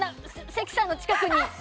関さんの近くに。